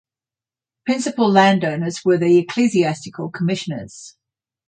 Principal landowners were the Ecclesiastical Commissioners.